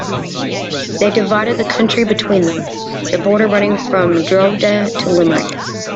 They divided the country between them, the border running from Drogheda to Limerick.